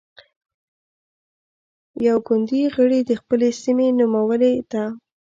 يوه ګوندي غړې د خپلې سيمې نومولې ده.